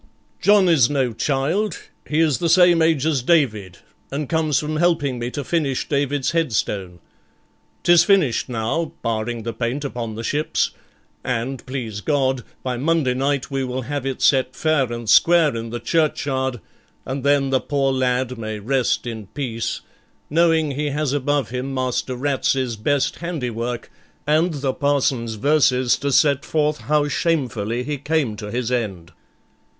'John is no child; he is the same age as David, and comes from helping me to finish David's headstone. 'Tis finished now, barring the paint upon the ships, and, please God, by Monday night we will have it set fair and square in the churchyard, and then the poor lad may rest in peace, knowing he has above him Master Ratsey's best handiwork, and the parson's verses to set forth how shamefully he came to his end.'